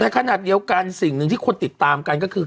ขนาดเดียวกันสิ่งหนึ่งที่คนติดตามกันก็คือ